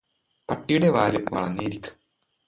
പട്ടിയുടെ വാല് വളഞ്ഞേ ഇരിക്കൂ